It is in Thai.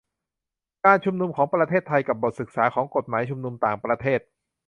การชุมนุมของประเทศไทยกับบทศึกษาของกฎหมายชุมนุมต่างประเทศ